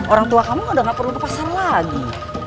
orang tua kamu udah gak perlu ke pasar lagi